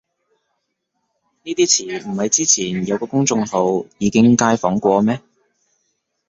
呢啲詞唔係之前有個公眾號已經街訪過咩